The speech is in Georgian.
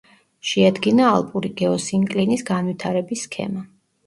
შეადგინა ალპური გეოსინკლინის განვითარების სქემა.